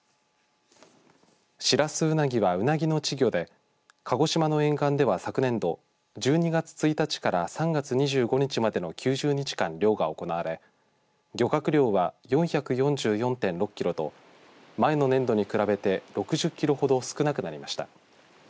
シラスウナギはウナギの稚魚で鹿児島の沿岸では昨年度１２月１日から３月２５日までの９０日間、漁が行われ漁獲量は４４４．６キロと前の年度に比べて６０キロほど少なくなりました。